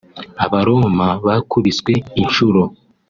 Abaroma bakubiswe inshuro